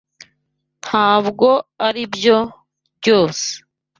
Ntabwo aribyo ryose